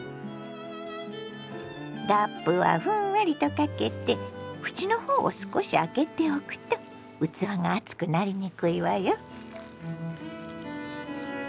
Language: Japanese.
ラップはふんわりとかけて縁の方を少し開けておくと器が熱くなりにくいわよ。